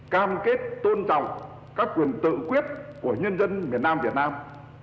cảm kết tôn trọng các quyền tự quyết của nhân dân việt nam